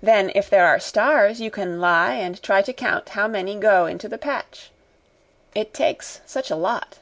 Then if there are stars, you can lie and try to count how many go into the patch. It takes such a lot.